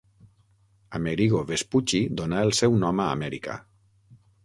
Amerigo Vespucci donà el seu nom a Amèrica.